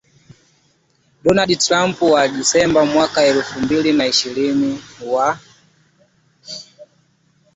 Donald Trump wa Disemba mwaka elfu mbili na ishirini wa